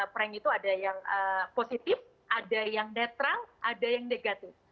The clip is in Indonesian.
prank itu ada yang positif ada yang netral ada yang negatif